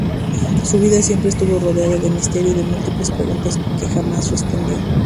Su vida siempre estuvo rodeada de misterio y de múltiples preguntas que jamás respondió.